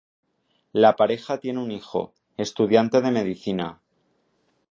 La pareja tiene un hijo, estudiante de medicina.